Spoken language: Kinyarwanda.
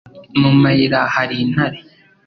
Mu mayira hari intare»